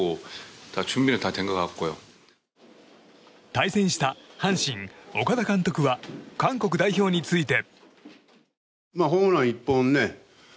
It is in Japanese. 対戦した阪神、岡田監督は韓国代表について。